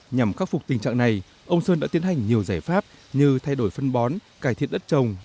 nhằm khắc phục tình trạng này ông sơn đã tiến hành nhiều giải pháp như thay đổi phân bón cải thiện đất trồng